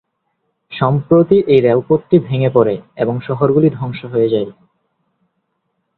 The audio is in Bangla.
সম্প্রতি এই রেলপথটি ভেঙ্গে পড়ে এবং এর শহরগুলি ধ্বংস হয়ে যায়।